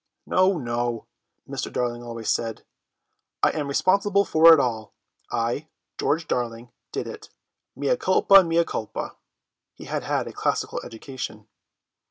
"No, no," Mr. Darling always said, "I am responsible for it all. I, George Darling, did it. Mea culpa, mea culpa." He had had a classical education.